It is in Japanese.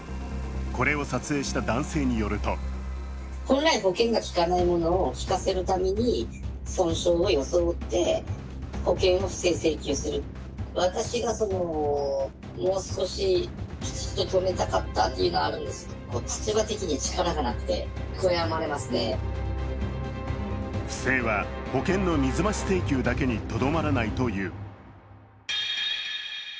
これを撮影した男性によると不正は保険の水増し請求だけにとどまらないという。